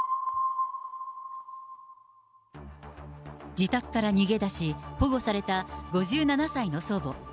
自宅から逃げ出し、保護された５７歳の祖母。